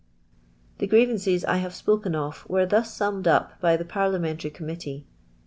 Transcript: The grievances I have spoken of were thus sunmied up by the Parliamentary Committee.